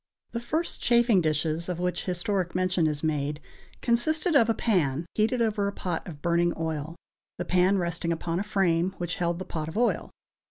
The first chafing dishes of which historic mention is made consisted of a pan heated over a pot of burning oil, the pan resting upon a frame which held the pot of oil.